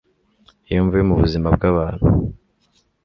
Iyo mvuye mubuzima bw abantu